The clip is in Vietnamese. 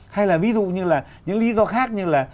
hay là ví dụ như là những lý do khác như là